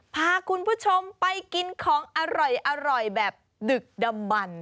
พาคุณผู้ชมไปกินของอร่อยแบบดึกดำมัน